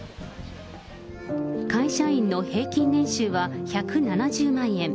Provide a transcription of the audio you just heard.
会社員の平均年収は１７０万円。